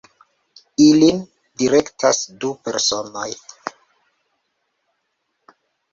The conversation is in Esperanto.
Ilin direktas du personoj.